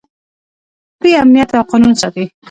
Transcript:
دوی امنیت او قانون ساتي.